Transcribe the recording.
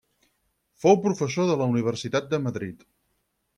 Fou professor de la Universitat de Madrid.